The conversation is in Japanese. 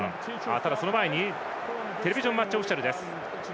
ただ、その前にテレビジョンマッチオフィシャル。